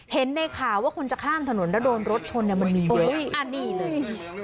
เห็นในข่าวว่าคนจะข้ามถนนแล้วโดนรถชนเนี่ยมันมีโอ้ยอันนี้เลย